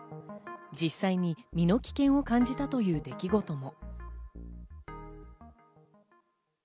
実際に身の危険を感じたという出来事も。